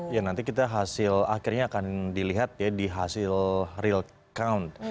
ya nanti kita hasil akhirnya akan dilihat ya di hasil real count